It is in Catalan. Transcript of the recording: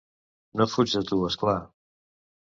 No fuig de tu, és clar.